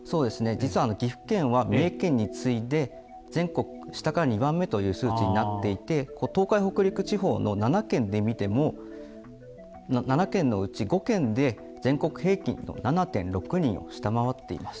実は岐阜県は三重県に次いで全国下から２番目という数値になっていて東海・北陸地方の７県で見ても７県のうち５県で全国平均の７．６人を下回っています。